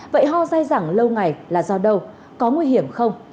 vậy ho dài dẳng lâu ngày là do đâu có nguy hiểm không